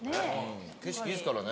・景色いいっすからね。